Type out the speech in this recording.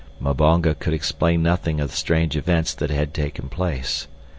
Mbonga could explain nothing of the strange events that had taken place.